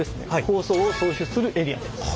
放送を送出するエリアです。